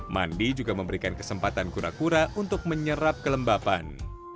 mandi juga memberikan kesempatan kura kura untuk menyerap kelembapan